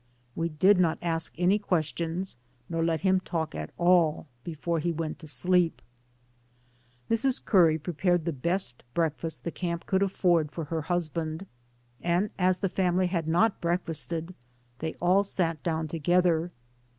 We did not ask any questions, nor let him talk at all, before he went to sleep. Mrs. Curry prepared the best breakfast the camp could afford for her husband, and as the family had not breakfasted, they all sat down together.